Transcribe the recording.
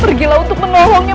pergilah untuk menolongnya